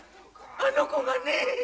あの子がね。